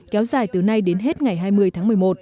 kéo dài từ nay đến hết ngày hai mươi tháng một mươi một